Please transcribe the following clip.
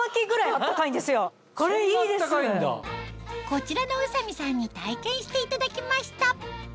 こちらの宇佐美さんに体験していただきました